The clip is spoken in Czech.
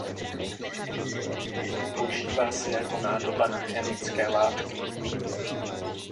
Používá se jako nádoba na chemické látky.